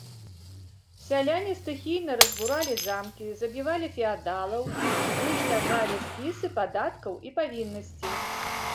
Сяляне стыхійна разбуралі замкі, забівалі феадалаў, зніштажалі спісы падаткаў і павіннасцей.